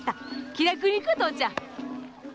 気楽にいこう父ちゃん。